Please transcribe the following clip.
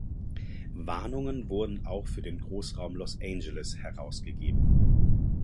Warnungen wurde auch für den Großraum Los Angeles herausgegeben.